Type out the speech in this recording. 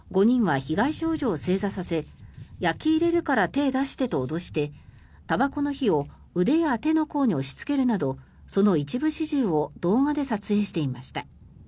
５人は被害少女を正座させ焼き入れるから手出してと脅してたばこの火を腕や手の甲に押しつけるなどその一部始終を動画で撮影していました。